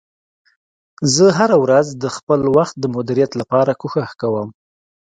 زه هره ورځ د خپل وخت د مدیریت لپاره کوښښ کوم